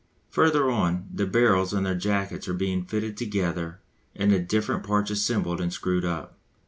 Further on, the barrels and their jackets are being fitted together and the different parts assembled and screwed up.